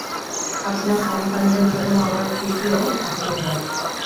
আপনার সন্তানদের জন্য আমার প্রীতি ও আশীর্বাদ।